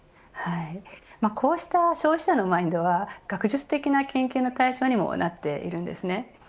こうした消費者のマインドは学術的な研究の対象にもなっているんです。